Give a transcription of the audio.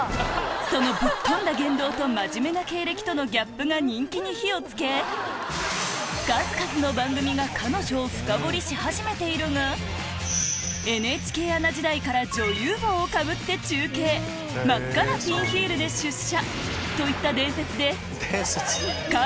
そのぶっ飛んだ言動と真面目な経歴とのギャップが人気に火を付けし始めているがＮＨＫアナ時代から女優帽をかぶって中継真っ赤なピンヒールで出社